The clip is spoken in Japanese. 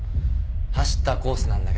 走ったコースなんだけど。